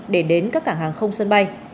để đến các cảng hàng không sân bay